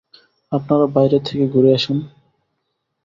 আপনারা বাইরে থেকে ঘুরে আসুন।